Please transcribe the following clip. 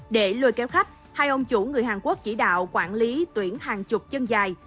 để lùi kéo khách hai ông chủ người hàn quốc chỉ đạo quản lý tuyển hàng chục chân dài